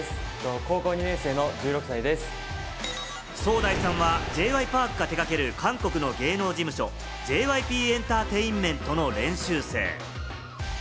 ソウダイさんはＪ．Ｙ．Ｐａｒｋが手掛ける韓国の芸能事務所・ＪＹＰエンターテインメントの練習生。